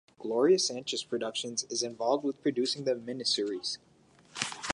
Gloria Sanchez Productions is involved with producing the miniseries.